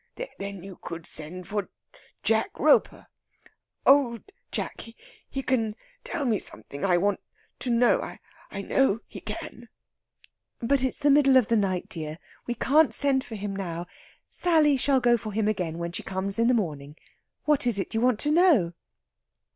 "Then you could send for Jack Roper. Old Jack! He can tell me something I want to know.... I know he can...." "But it's the middle of the night, dear. We can't send for him now. Sally shall go for him again when she comes in the morning. What is it you want to know?"